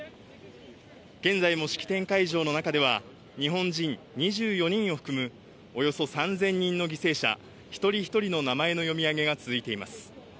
現在も式典会場の中では日本人２４人を含むおよそ３０００人の犠牲者一人ひとりの名前の読み上げが続いています。